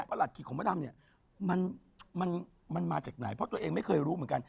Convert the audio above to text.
หลัดขิกของมะดำเนี่ยมันมาจากไหนเพราะตัวเองไม่เคยรู้เหมือนกัน